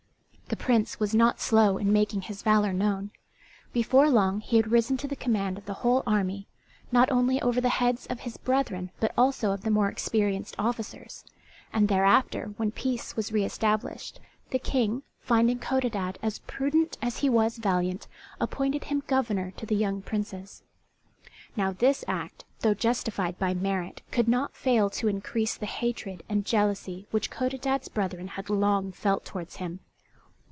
The Prince was not slow in making his valour known; before long he had risen to the command of the whole army, not only over the heads of his brethren but also of the more experienced officers. And thereafter, when peace was re established, the King, finding Codadad as prudent as he was valiant, appointed him governor to the young Princes. Now this act, though justified by merit, could not fail to increase the hatred and jealousy which Codadad's brethren had long felt towards him.